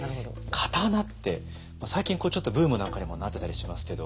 刀って最近ちょっとブームなんかにもなってたりしますけど。